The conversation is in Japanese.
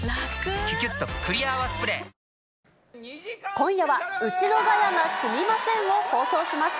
今夜は、ウチのガヤがすみません！を放送します。